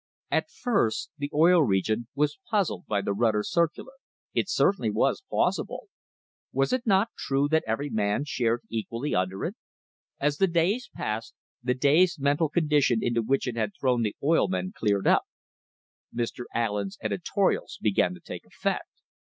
At first the Oil Region was puzzled by the Rutter circular. It certainly was plausible. Was it not true that every man shared equally under it? As the days passed, the dazed mental condition into which it had thrown the oil men cleared up. Mr. Allen's editorials began to take effect.